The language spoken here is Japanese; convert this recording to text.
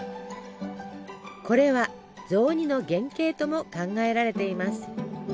これは雑煮の原型とも考えられています。